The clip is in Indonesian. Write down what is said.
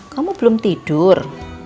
kamu belum tidur